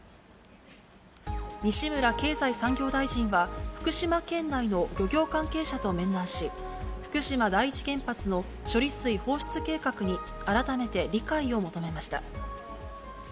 西村経済産業大臣は、福島県内の漁業関係者と面談し、福島第一原発の処理水放出計画に改めて理解を求めました。